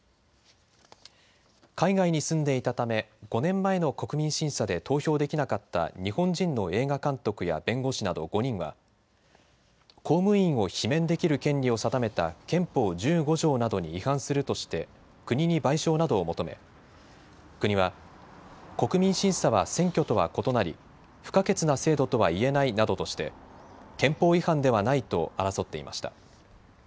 海外に住んでいたため５年前の国民審査で投票できなかった日本人の映画監督や弁護士など５人は公務員を罷免できる権利を定めた憲法１５条などに違反するとして国に賠償などを求め国は、国民審査は選挙とは異なり不可欠な制度とはいえないなどとして憲法違反ではないと争っていました。